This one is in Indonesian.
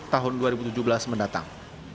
tahun dua ribu tujuh belas mendatang